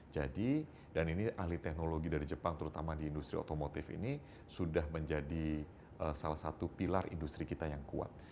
jadi dan ini ahli teknologi dari jepang terutama di industri otomotif ini sudah menjadi salah satu pilar industri kita yang kuat